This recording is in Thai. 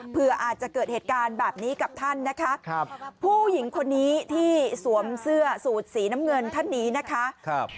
เผื่ออาจจะเกิดเหตุการณ์แบบนี้กับท่านนะคะผู้หญิงคนนี้ที่สวมเสื้อสูตรสีน้ำเงินท่านนี้นะคะ